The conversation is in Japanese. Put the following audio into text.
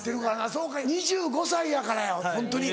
そうか２５歳やからやホントに。